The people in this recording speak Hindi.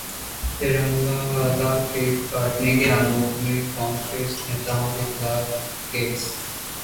तिरंगा वाला केक काटने के आरोप में कांग्रेस नेताओं के खिलाफ केस